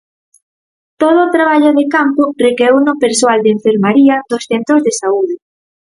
Todo o traballo de campo recaeu no persoal de enfermaría dos centros de saúde.